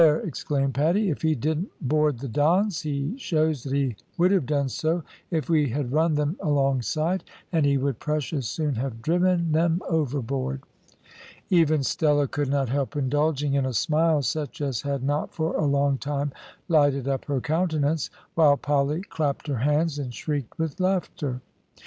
exclaimed Paddy, "if he didn't board the Dons he shows that he would have done so if we had run them alongside, and he would precious soon have driven them overboard." Even Stella could not help indulging in a smile such as had not for a long time lighted up her countenance, while Polly clapped her hands, and shrieked with laughter.